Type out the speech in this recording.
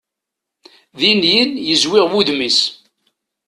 Din din yezwiɣ wudem-is.